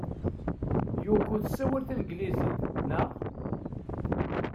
Yoko tessawal tanglizit, naɣ?